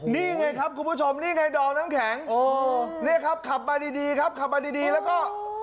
นี่ไงครับคุณผู้ชมนี่ไงดอมน้ำแข็งนี่ครับขับมาดีครับขับมาดีแล้วก็